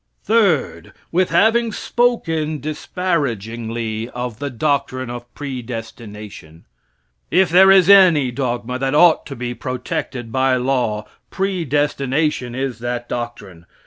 Third. With having spoken disparagingly of the doctrine of predestination. If there is any dogma that ought to be protected by law, predestination is that doctrine.